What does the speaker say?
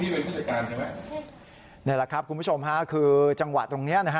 นี่แหละครับคุณผู้ชมฮะคือจังหวะตรงนี้นะฮะ